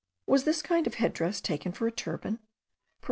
Was this kind of head dress taken for a turban?